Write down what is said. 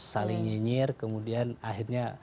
saling nyinyir kemudian akhirnya